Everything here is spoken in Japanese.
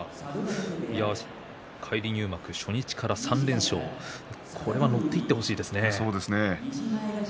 返り入幕初日から３連勝乗っていってほしいですね。